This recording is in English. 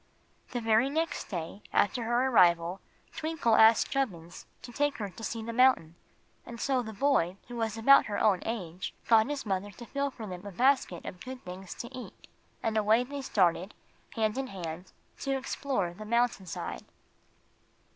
The very next day after her arrival Twinkle asked Chubbins to take her to see the mountain; and so the boy, who was about her own age, got his mother to fill for them a basket of good things to eat, and away they started, hand in hand, to explore the mountain side.